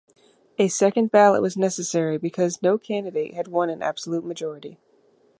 A second ballot was necessary because no candidate had won an absolute majority.